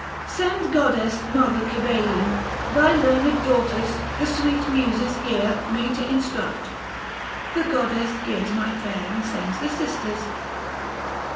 210 —" Send, goddess, mother Cybele'ian, Thy learned daughters, the sweet muses, here Me to instruct." The goddess hears my prayer, And sends the sisters.